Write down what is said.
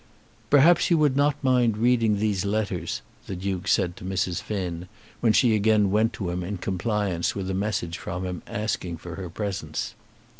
"Perhaps you would not mind reading these letters," the Duke said to Mrs. Finn, when she again went to him, in compliance with a message from him asking for her presence.